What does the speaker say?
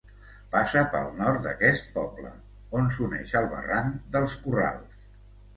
Passa pel nord d'aquest poble, on s'uneix al barranc dels Corrals.